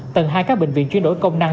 tầng hai các bệnh viện chuyên đổi công năng